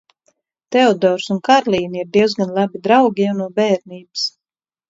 Teodors un Karlīna ir diezgan labi draugi jau no bērnības.